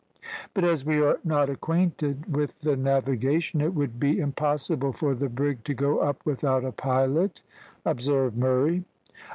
"But as we are not acquainted with the navigation, it would be impossible for the brig to go up without a pilot," observed Murray.